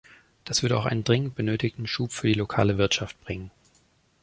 Das würde auch einen dringend benötigten Schub für die lokale Wirtschaft bringen.